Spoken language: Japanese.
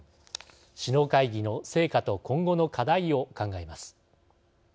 首脳会議の成果と今後の課題を考えます。